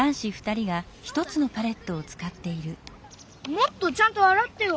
もっとちゃんとあらってよ！